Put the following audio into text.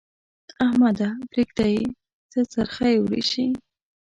احمده! پرېږده يې؛ څه څرخی ورېشې.